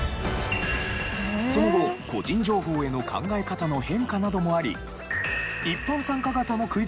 その後個人情報への考え方の変化などもあり。